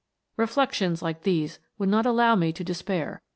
Reflections like these would not allow me to despair.